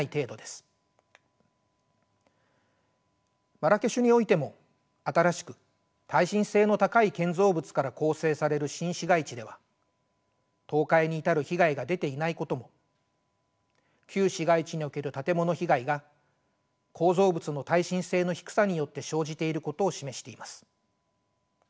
マラケシュにおいても新しく耐震性の高い建造物から構成される新市街地では倒壊に至る被害が出ていないことも旧市街地における建物被害が建造物の耐震性の低さによって生じていることを示しています。